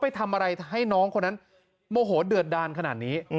ไปทำอะไรให้น้องคนนั้นโมโหเดือดดานขนาดนี้